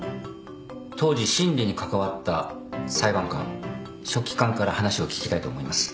当時審理に関わった裁判官書記官から話を聞きたいと思います。